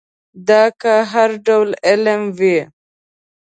دا که هر ډول علم وي.